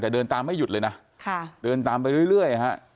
แต่เดินตามไม่หยุดเลยนะค่ะเดินตามไปเรื่อยฮะ